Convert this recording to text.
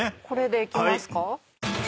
これでいきますか。